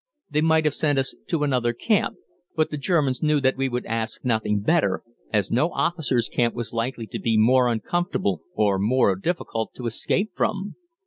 They might have sent us to another camp; but the Germans knew that we would ask nothing better, as no officers' camp was likely to be more uncomfortable or more difficult to escape from.